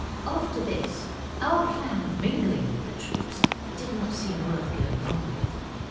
After this our plan of mingling with the troops did not seem worth going on with.